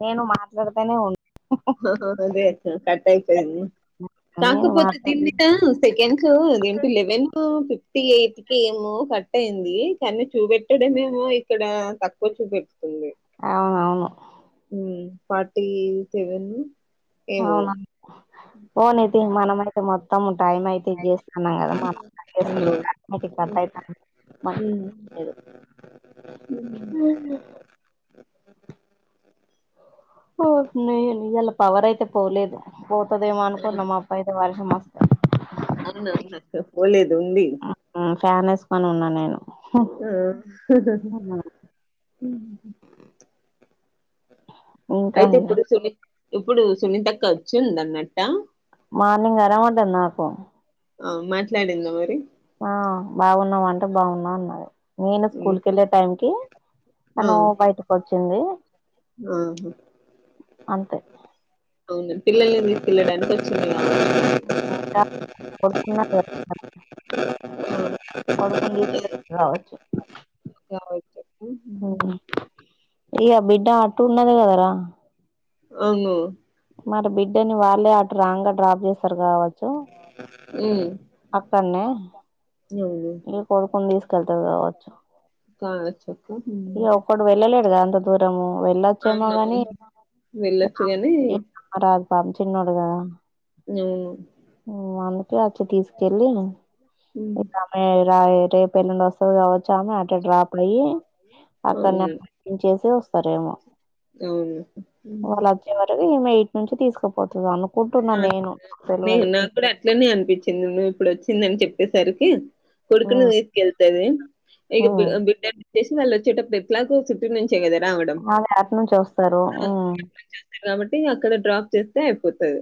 నేను మాట్లాడితేనే ఉం ఆ అదే కట్టైపోయింది ఉంటాను నేను కాకపోతే మాట్లాడు దీంట్లో seconds ten to eleven fifty eighth కి ఏమో కట్ అయింది కానీ చూపెట్టడమేమో ఇక్కడ తక్కువ చూపిస్తుంది. అవునవును. ఇది ఫార్టీ సెవెన్ ఏమో అవునా ఓ నిది మనమైతే మొత్తం. టైమ్ అయితే చేస్తున్నాం కదా మనం కట్ అవును చేస్తాలేదు అది కట్ అయితాలేదు. హ్మ్ సరే [inaudible] ఓర్నీ ఇయ్యాల పవర్ అయితే పోలేదు పోతుదామో అనుకున్నా మబ్బు అయితే పడతా సమస్తం అవునవును అక్క పోలేదు ఉంది. ఫ్యాన్ వేసుకొని ఉన్నాను నేను. ఆ హి హి ఇంకా అయితే ఇక ఇప్పుడు సునీత ఇప్పుడు సునీతక్క వచ్చిందన్నట్టా మార్నింగ్ రావద్దు నాకు ఆ మాట్లాడిందా మరి. ఆ బాగున్నావా అంటే బాగున్నా అన్నారు. నేను హ్మ్ స్కూల్ కి వెళ్ళే టైం కి తను బయటకి వచ్చింది. మ్ హు అంతే అవును పిల్లలే తీసుకెళ్ళడానికి వచ్చింది కావచ్చు. [unintelligible] పడుకున్నాడా కొడుకుని కావచ్చు. తీసుకొచ్చింది కావచ్చు. కావచ్చు అక్క ఉమ్. ఇ బిడ్డ అటు ఉన్నది కదరా? అవును మరి బిడ్డని వాళ్ళే అటు రాంగ్ గా డ్రాప్ చేస్తారు కావచ్చు మ్ ఇ కొడుకుని తీసుకెళ్తారు కావచ్చు. కావచ్చు. హ్మ్ వీడు ఒక్కడు వెళ్ళలేడుగదా అంత దూరము వెళ్ళొచ్చేమో గాని అవునవును వెళ్ళొచ్చు గాని [unintelligible] చిన్నోడుగా [unintelligible] వచ్చి తీసుకెళ్ళి హ్మ్ రేపు ఎల్లుండి వస్తరు [unintelligible] [unintelligible] అట్టే డ్రాప్ అయ్యి అక్కడ అవును [unintelligible] వస్తారేమో అవును హ్మ్ వాళ్ళ వచ్చే వరకు [unintelligible] ఈటి నుంచి తీసుకో నాకు కూడ అట్లనే అనిపించింది నువ్వు ఇప్పుడు చెప్పేసరికి కొడుకుని హ్మ్ తీసుకెళ్తుంది ఇక హ్మ్. బిడ్డ వచ్చసి వాళ్ళు వచ్చేటప్పుడు [unintelligible] చుట్టి నుంచి గ రావడం వాళ్ళు అటునుంచి వస్తారు. హ్మ్. అక్కడ డ్రాప్ చేస్తే అయిపోతది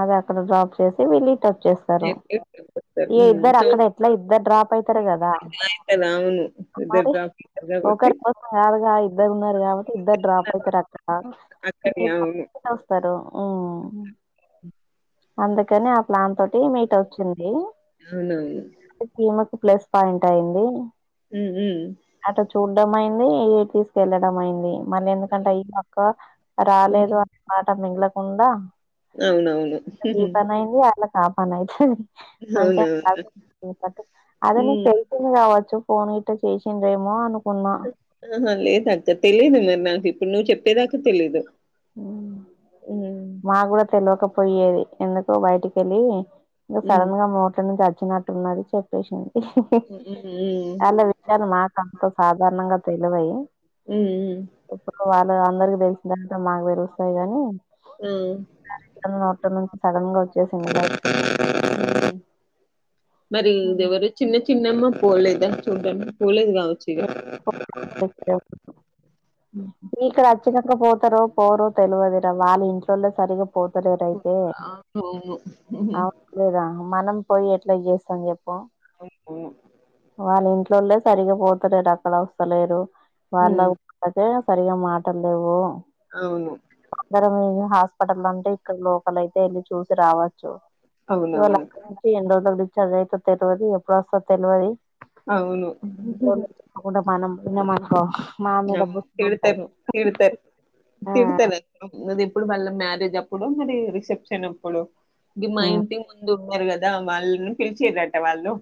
అది అక్కడ డ్రాప్ చేసి వెళ్ళిట వచ్చేస్తారు ఎస్ ఎస్ చెప్తారు. ఏ హ్మ్. ఇద్దర సో అక్కడ ఎట్ల ఇద్ [unintelligible] [inaudible] కదా! అవును. ఇద్దరు డ్రాప్ అవుతారు కాబట్టి ఇద్దరు ఉన్నారు కాబట్టి ఇద్దరు డ్రాప్ అయితారు అక్కడ అక్కడి అవును. [unintelligible] వస్తరు ఆ అందుకని ఆ ప్లాన్ తోటి మీతో వచ్చింది [unintelligible] ఒక ప్లస్ పాయింట్ అయ్యింది హు చూడ్డం అయింది ఏ తీసుకెళ్లడం అయింది మళ్ళీ ఎందుకంటే అ అక్క హ్మ్. రాలేదు హ్మ్. అన్నమాట మిగలకుండ అవునవును. పన్ అయింది అవునవును. [unintelligible] [unintelligible] హ్మ్. తెలిసింది కావచ్చు ఫోన్ గిట్ట చేసిండేమో అను ఆహా లేదాక్క తెలిదు మరి నాకు ఇప్పుడు నువ్వు చెప్పేదాక తెలీదు హ్మ్. [unintelligible] కూడ తెలియకపోయేది ఎందుకో బయటికి వెళ్ళి ఇంక హ్మ్. సడన్ గా మోటర్ నుంచి వచ్చినట్టున్నది చెప్పేసింది హ్మ్. హ్మ్. హ్మ్. వాళ్ళ విషయాలు నాకు అంత సాధారణంగా తెలవవు హ్మ్. హ్మ్. ఇప్పుడు వాళ్ళు అందరికి తెలిసినంక మాకు తెలుస్తాయి కానీ ఉ సడెన్గా వచ్చేసింది బయటికి హ్మ్. మరి ఇది ఎవరు చిన్న చిన్నమ్మ పోలేదా చుడనికి పోలేదు కావచ్చు ఇక. [unintelligible] వచ్చనంక పోతరు పోరు తెలివదురా వాళ్ళ ఇంట్లోల్లో సరిగా పోతులేరు అయితే అవును. అవును. హ్మ్. అవలేదా మనం పోయి ఎట్లా చేస్తం చెప్పు అ వాళ్ళ ఇంట్లల్లో సరిగా పోతలేరు అక్కడ వస్తలేరు వాళ్ళ హ్మ్. సరిగా మాటలు లేవు అవును అలయితే వెళ్ళి చూసి రావచ్చు ఇవాళ అవునవును అక్కడి నుంచి ఎన్ని [unintelligible] చదివుతే తెలియదు ఎప్పుడు వస్తోరో తెలియదు అవును మనం [unintelligible] బుసమంటది తిడతారు తిడతారు ఆ తిడ [unintelligible] అది ఇప్పుడు వాళ్ళ మ్యారేజ్ అప్పుడో మరి రిసెప్షన్ అప్పుడో ఇ మా ఉమ్, ఇంటి ముందు అన్నారు కదా వాళ్ళని పిలిచిర్రిట వాళ్ళు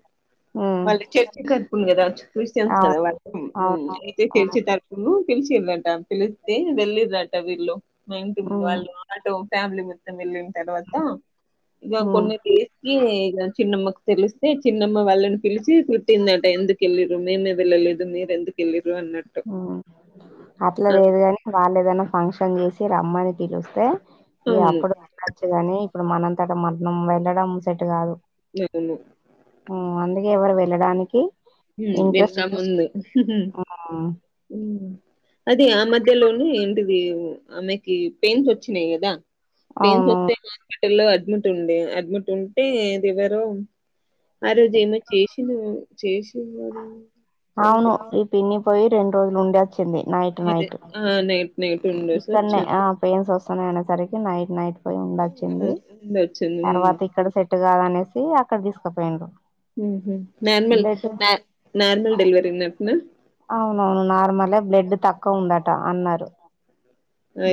ఉమ్, వాళ్ళు చర్చి కరుపుంది కదాచ్చు క్రిస్టియన్స్ కదా అవును వాళ్ళు ఉమ్ అవును అయితే ఆ, పిలిచిటేప్పుడు పిలిచిర్రట పిలిస్తే వెళ్ళిర్రట వీళ్ళు మేం తింద్ ఉమ్, వాల్ ఆటో ఫ్యామిలీ మెత్తం వెళ్లి తర్వాత ఇక ఉమ్. కొన్ని ప్లేస్ కి ఇక చిన్న మొక్ తెలిస్తే చిన్నమ్మ వాళ్ళని పిలిచి తిట్టిందమట ఎందుకెళ్లిరు మేమే వెళ్ళలేదు మీరు ఎందుకెళ్ళిరు అని ఉమ్ అట్లా లేదు గాని వాళ్ళు ఏదన్నా ఫంక్షన్ చేసి రమ్మని పిలిస్తే ఇక అవును అప్పుడు వెళ్ళొచ్చు గాని ఇప్పుడు మనంతట మన మనం వెళ్ళడం సెట్ కాదు అవును ఉమ్ అందుకే ఎవరు వెళ్ళడానికి ఉమ్ వెనక ఇంట్రెస్ట్ ముందు చూపిస్తలేరు. హ్మ్. ఉమ్ అది ఆ మధ్యలోనే ఏంటిది ఆమెకి పెయిన్స్ వచ్చినాయి కదా? పెయిన్స్ అవును. వస్తే ఇక హాస్పిటల్లో అడ్మిట్ ఉండే అడ్మిట్ ఉంటే అది ఎవరో ఆ రోజు ఏమో చేసింది చేసిందా రోజు అవును ఈ పిన్ని పోయి రెండు రోజులు ఉండి వచ్చింది నైట్ అదే నైట్ ఆ నైట్ నైట్ ఉండేసి ఇక్కడ్నే ఆ వచ్చింది పెయిన్స్ వస్తున్నాయ్ అనే సరికి నైట్ నైట్ పోయిండొచ్చింది ఉమ్, ఉండి వచ్చింది హ్మ్ తర్వాత ఇక్కడ సెట్ కాదనేసి అక్కడ్ తీసుకుపోయిండ్రు ఊహు నార్మల్ నార్మల్ డెలివరీ నట్నా అవునవును నార్మలే బ్లడ్ తక్కువ ఉందట అన్నారు.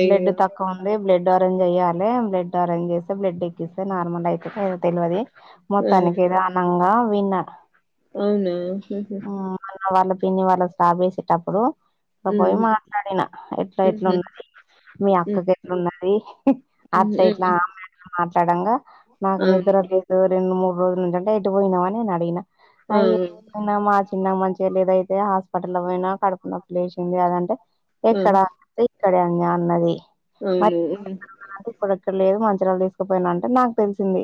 బ్లెడ్ తక్కువ ఉంది బ్లెడ్ అరెంజ్ జెయ్యాలి బ్లెడ్ అరెంజ్ చే బ్లెడ్ ఎక్కిస్తే నార్మల్ అయితే ఏదో తెల్వది ఆ! మొత్తానికి ఏదో ఆనంగా విన్నా అవునా ఊహు ఆ వాళ్ళ పిన్ని వాళ్ళు సాబేసేటప్పుడు పోయ్యి హుహు. మాట్లాడిన ఎట్ ఎట్లు హుహు. ఉన్నది మీ అక్క హ్మ్. ఎట్లున్నది అట్ హ్మ్. ఇట్లా హ్మ్. ఆ మేటర్ మాట్లాడంగా నాకు నిద్ర అవును. లేదు రెండు మూడు రోజుల నుంచి, అంటే ఎటు పోయినావని నేను అడిగిన అయ్యి అవును. నామా చిన్నగా మంచిగా లేదైతే హాస్పిటల్ లో పోయినా కడుపునొప్పి లేసింది అదంటే ఆ! ఎక్కడ ఎ ఇక్కడ అన్ అన్నది అవును ఊహు అంటే ఇప్పుడు ఇక్కడ లేదు మంచరాలు తీసుకుపోయినా అంటే నాకు తెలిసింది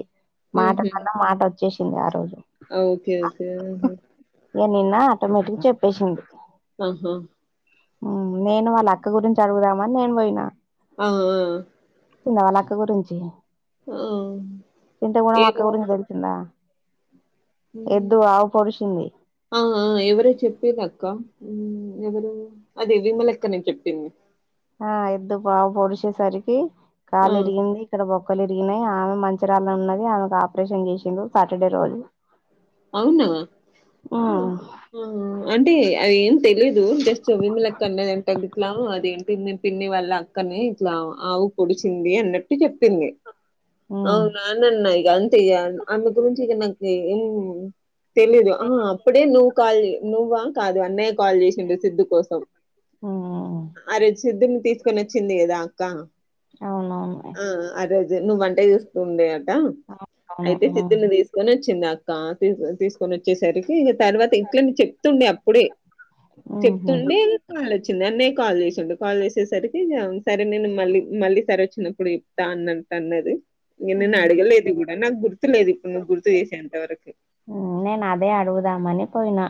హ్మ్. మాట హుహు. కన్నా మాట వచ్చేసింది ఆ రోజు ఆ! ఓకే. ఓకే. ఆహా! ఇక నిన్న ఆటోమేటిక్ చెప్పేసింది ఆహా ఉమ్ నేను వాళ్ళ అక్క గురించి అడుగుదామని నేను పోయినా ఆ ఆ ందా వాళ్ళ అక్క గురించి ఆ! తింట గుణం అక్క గురించి తెల్సిందా? ఉమ్ పొడిచింది ఆ ఆ ఎవరే చెప్పేదక్కా ఉమ్ ఎవరూ అదే విమలెక్కనే చెప్పింది. ఆ ఎద్దు బావు పొడిసేసరికి ఆ! కాలు ఇరిగింది ఇక్కడ బొ మొక్కలురిగినాయి ఆమె మంచిరాళ్ళలోనే ఉన్నది, ఆమెకు ఆపరేషన్ చేసిండ్రు సాటర్డే రోజు అవునా ఉమ్, ఆహ అంటే అవి ఏం? తెలీదు జస్ట్ విమలక్క అన్నది అంటా గిట్లా అదేంటిను పిన్ని వాళ్ళ అక్కని ఇట్లా ఆవు పొడిచింది అన్నట్టు చెప్పింది. ఉమ్, అవునా అన్నన్న ఇక అంతే ఆమె గురించి ఇక నాకు ఏం తెలీదు ఆ అప్పుడే నువ్వు కాల్ నువ్వా కాదు అన్నయ్య కాల్ చేసిండు సిద్ధు కోసం ఉమ్, అ రేజ సిద్ధుని తీసుకొని వచ్చింది కదా అక్క అవునవును ఆ ఆ రోజు నువ్వు వంట చూస్తుండే అట అవును అయితే ఉమ్, సిద్దుని తీసుకొని వచ్చింది అక్క తీసుకొని వచ్చేసరికి తర్వాత ఇట్లనే చెప్తుండే అప్పుడే ఉమ్, చెప్తుండే ఆలోచన అన్నయ్య కాల్ చేసిండు కాల్ చేసేసరికి సరే నేను మళ్ళీ మళ్ళీ సారి వచ్చినప్పుడు చెప్తా అన్నా అన్నది ఇగానన్నను ఉమ్. అడగలేదు కూడా నాకు గుర్తులేదు ఇప్పుడు నువ్వు గుర్తు చేసే అంత వరకు నేను అదే అడుగుదామని పోయిన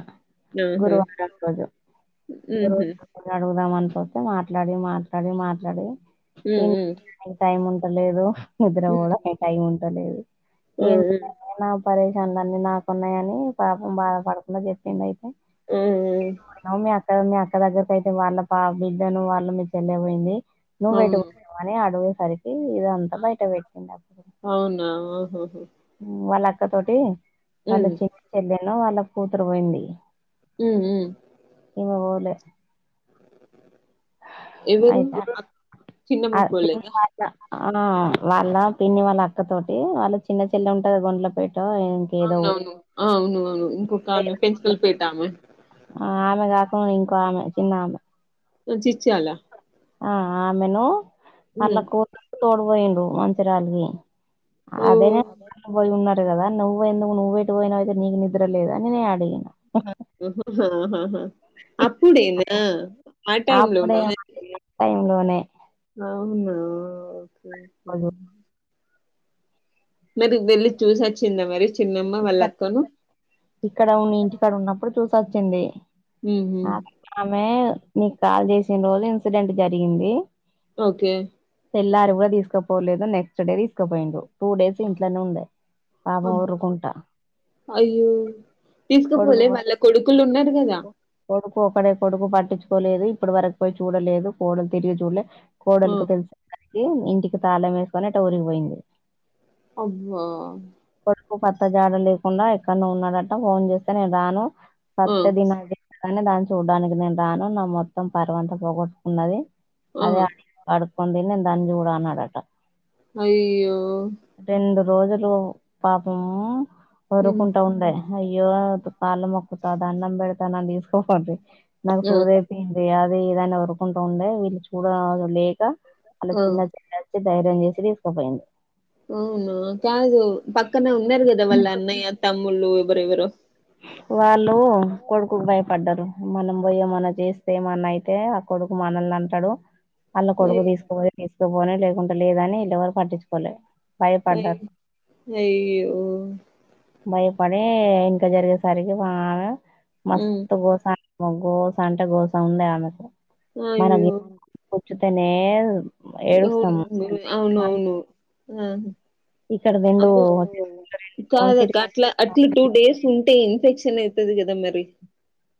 ఆహా! గురువారం రోజు గురువ హుహు. అడుగుధాం అనుకు మాట్లాడి మాట్లాడి మాట్లాడి హ్మ్. హ్మ్. తినే టైం ఉంటలేదు నిద్ర కూడా టైం ఉంటలేదు ఆ! ఆ! ఏంది నా పరేషాన్ అన్నీ నాకున్నాయ అని పాపం బాధ పడకుండా చెప్పింది అయితే ఆ! ఆ! అక్కడ మీ అక్క దగ్గరకు అయితే వాళ్ళ పా బిడ్డాను ను వాళ్ళ మీ చెల్లే పోయింది. నువ్వు అవును. పెట్టుకున్నావని అడగేసరికి ఇదంతా బయట పెట్టిండు అప్పుడు అవునా! ఆహాహా! వాళ్ళ అక్క తోటి వాళ్ళ హ్మ్. చె చెల్లెను వాళ్ళ కూతురు పోయింది ఉ ఊ ఈమె ఎవరు? ఆయితే అక్ ఆ చిన్నమ్మ డీ పోలేదా? మార్ట్ లా ఆవును వాళ్ళ పిన్ని వాళ్ళ అక్క తోటి వాళ్ళు చిన్న చెల్ల ఉంటది గుండ్లా పెట అవునవును అవును అవును ఇంకొకమె ఏదో ఊర్లో పెన్చకల్ పేటమే ఆ ఆమె కాకుండా ఇంకో ఆమె చిన్న ఆమె వచ్చి ఇచ్చేయాల ఆ ఆమెను ఆళ్ళా కూతురూ తోడు పోయిండ్రు మంచిర్యాలకి ఓ అదేనే పోయి ఉన్నారు కదా నువ్వు ఎందుకు నువ్వే పోయిన అయితే నీకు నిద్ర లేదని నేను అడిగిన ఆహాహా అప్పుడేనా ఆ టైమ్ అప్పుడే లోనే టైమ్ లోనే ఆవునా ఒకే మరి వెళ్ళి చూసి వచ్చిండ్రా మరి చిన్నమ్మ వాళ్ళ ఇక్కడ అక్కను ఇక్కడ ఉన్న మీ ఇంటికడ ఉన్నప్పుడు చూసోచ్చింది ఉహు ఆమె నీకు కాల్ చేసిన రోజు ఇన్సిడెంట్ జరిగింది ఓకే తెల్లారీ కూడా తీసుకపోలేదు నెక్స్ట్డే తీసుకపోయిండు టూ డేస్ ఇంట్లనే ఉండే పాపం అబ్బా ఊరుకుం అయ్యో కొడుకు తీసుకుపోలే వాళ్ళా కొడుకులు ఉన్నారు కదా ఒక్క ఒక్కడే కొడుకు పట్టిచ్చుకోలేదు ఇప్పటి వరకు పోయి చూడలేదు కోడలు తిరిగి చూడలే ఆ కోడలకు తెలిసు ఇంటికి తాళం వేసుకొని ఎటో ఊరికిపోయింది. అబ్బా పత్త జాడ లేకుండా ఎక్కడనో ఉన్నాడట ఫోన్ చేస్తే నేను రాను ఆ సత్తాది [unintelligible] దాన్ని చూడ్డానికి నేను రాను నా మొత్తం పర్వంత పోగొట్టుకున్నది ఆ అదే పడుక్కుంది నేను దాన్నీ చూడ ఆన్నాడట అయ్యో రోతులు పాపము వోర్రు హ్మ్ కుంటా ఉండే అయ్యో కాళ్ళు మొక్కుత దండం బెడతా నన్ను తీస్కపోండ్రి నాకు ఆ సుధెపోయిర్రి అది ఏదైనా వర్రు కుంట ఉండే వీళ్ళు చూడ లేక అలా ఆ చిన్న పిన్ని అచ్చి ధైర్యం చేసి తీసుకపోయింది అవునా కాదు పక్కనే ఉన్నారు కదా వాళ్ళు అన్నయ్య తమ్ముళ్ళు ఎవరెవ్వరో వాళ్ళు కొడుకుకు భయపడ్డారు మనం పోయి ఏమన్నా చేస్తే ఏమన్నా అయితే అ కొడుకు మనల్ని అంటాడు అళ్ళ కొడుకు అయ్ తీసుకుపో తీసుకుపోని లేకుంటే లేదని ఈళ్ళు ఎవరు పట్టించుకోలే ఐ భయపడ్డారు అయ్యో భయపడి ఇంత జరిగేసరికి ఆమె ఉమ్ మస్తు గోస గోస అంటే గోస ఉండే ఆమెకు అయ్యో తనే అవును అవునవును ఆ ఇక్కడ రెండు అబ్బో కోన్సిరి కాదక్క అట్లా అట్లు టూ డేస్ ఉంటే ఎఫెక్షన్ అయితది కదా మరి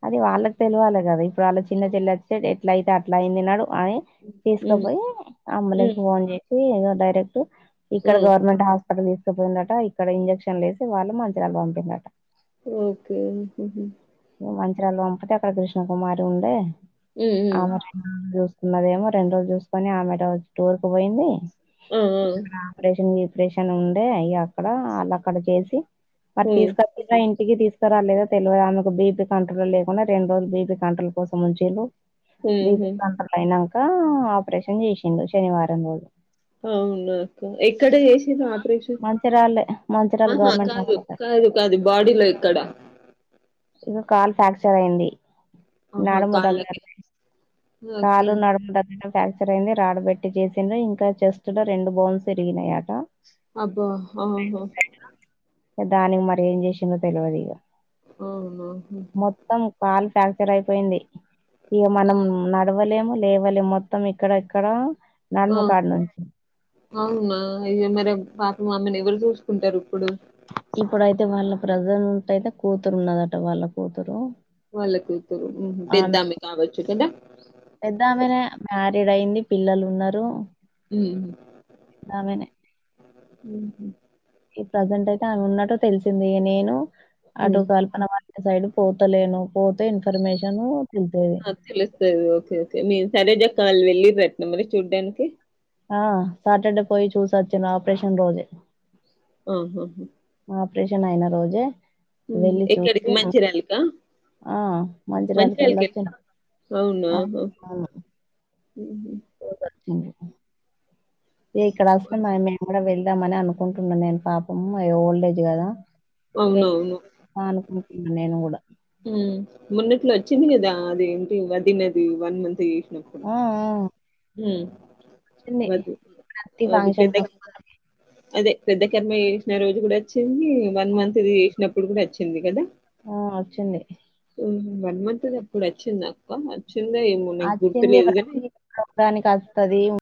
అది వాళ్ళకి తెలవాలే కదా ఇప్పుడు వాళ్ళ చిన్న చెల్లి అచ్చే ఎట్ల అయితే అట్లా అయింది నడువ్ అని ఉమ్ తీసుకపోయి అంబులెన్స్ ఉమ్ ఫోన్ చేసి ఇగ డైరెక్ట్ ఆ ఇక్కడ గవర్నమెంట్ హాస్పిటల్ తీసుకుపోయిందట ఇక్కడ ఇంజెక్షన్లు లేేసి వాళ్ళు మంచిర్యాల్ పంపింరట ఓకే ఉమ్ ఇగ మంచిర్యాల్ పంపితే అక్కడ కృష్ణకుమారి ఉండే ఉమ్ ఆమె చూ ఉన్నదేమో రెండు రోజు చూసుకొని ఆమె ఏటో టూర్ కు పోయింది ఆ ఆ ఆపరేషన్ చే ఆపరేషన్ ఉండే అయి అక్కడ వాళ్ళు అక్కడ చేసి మరి ఉమ్ తీసుకొచ్చిండ్రా ఇంటికి తీసుకురాలేదా తెలవది ఆమె బీపీ కంట్రోల్ లేకుండా రెండు రోజులు బీపీ కంట్రోల్ కోసం ఉంచే బీపీ ఉహు కంట్రోల్ అయినాక నంక ఆపరేషన్ చేసిండ్రు శనివారం రోజు అవునాక్క ఎక్కడ చేసిండ్రు ఆపరేషన్ మంచిర్యాల మంచిర్యాల ఆహా గవర్నమెంట్ కాదు హాస్పిటల్ కాదు కాదు బాడీలో ఎక్కడ ఇక కాళ్లు ఫ్రాక్చర్ అయింది ఆహా! నడుము కాళ్ళకి. దగ్గరనే ఓకే. కాళ్లు నడుము దగ్గర ఫ్రాక్చర్ అయింది రాడబెట్టి చేసిండ్రు ఇంకా చెస్ట్ లో రెండు బోన్స్ ఇరిగినాయి ఆట అబ్బా ఆహా దానికి మరేం చేసిందో తెలివదిగా అవునా ఉహు కాలు ఫ్రాక్చర్ అయిపోయింది ఇక మనం నడవలేము లేవలేము మొత్తం ఇక్కడ ఇక్కడ లే ఆ అవునా అయ్యో మరి అ పాపం అమెనీ ఎవ వరు చూసుకుంటారు ఇప్పుడు ఇప్పుడైతే వాళ్ళ ప్రజెంట్ అయితే కూతురు ఉన్నదట వాళ్ళ కూతురు వాళ్ళ కూతురు ఉహు పెద్దమే కావచ్చు కదా పెద్దామేనే మ్యారీడ్ అయింది పిల్లలు ఉన్నారు ఉహూ పెద్ద ఆమెనే ఉహూ ఈ ప్రజెంట్ అయితే ఆయన ఉన్నట్టు తెలిసింది నేను అటు హ్మ్. కల్పన వల్ సైడ్ పోతలేను పోతే ఇన్ఫర్మేషన్ తెలిసేది హా తెలుస్తది ఓకే ఓకే మీ శైలజక్క వాళ్ళు వెళ్ళి రత్న మరి చూడ్డానికి ఆ సాటర్డే పోయి చూసొచ్చను ఆపరేషన్ రోజే ఆహాహా ఆపరేషన్ అయిన రోజే హ్మ్. వెళ్ళి ఎక్కడికి చూసి మంచిర్యాలకా? ఆ మంచిర్యాల కు మంచిర్యాలకెళ్ వెళ్ళొచ్చిన అవునా ఉహు ఇక్కడ వస్తే మ మేము కూడా వెళ్లి ద్దామని అనుకుంటున్నాను నేను పాపం ఓల్డేజ్ కదా అవునవును. అనుకుంటున్నాను నేను కూడా హ్మ్. మొన్నట్లో వచ్చింది కదా అదేంటి వదినది వన్ [unintelligible] ఆ ఆ వచ్చింది అ ప్రతి అది ఫంక్షన్ కి పెద్దగా వస్త అదే పెద్ద కర్మ చేసిన రోజు కూడా వచ్చింది వన్ మంత్ ది చేసినప్పుడు కూడా వచ్చింది కదా ఆ వచ్చింది ఉహు వన్ మంత్ ఎప్పుడు వచ్చింద వచ్చిందా ఏమో నాకు గుర్తులేదు కానీ దానికి వస్తది